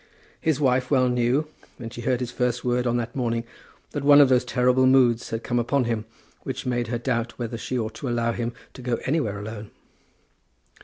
His wife well knew when she heard his first word on that morning that one of those terrible moods had come upon him which made her doubt whether she ought to allow him to go anywhere alone.